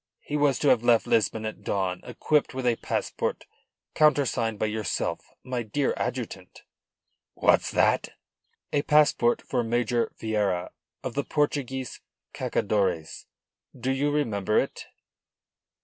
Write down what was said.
He was to have left Lisbon at dawn equipped with a passport countersigned by yourself, my dear adjutant." "What's that?" "A passport for Major Vieira of the Portuguese Cacadores. Do you remember it?"